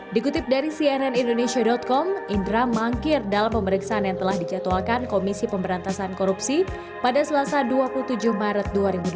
dikutip dari cnn indonesia com indra mangkir dalam pemeriksaan yang telah dijadwalkan komisi pemberantasan korupsi pada selasa dua puluh tujuh maret dua ribu dua puluh